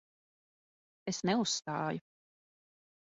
Es neuzstāju.